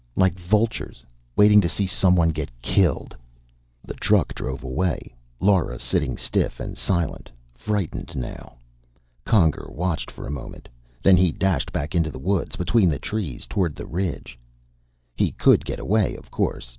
"Like vultures. Waiting to see someone get killed." The truck drove away, Lora sitting stiff and silent, frightened now. Conger watched for a moment. Then he dashed back into the woods, between the trees, toward the ridge. He could get away, of course.